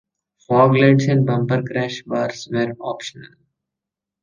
Fog lights and bumper crash bars were optional.